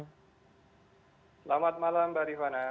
selamat malam mbak rifana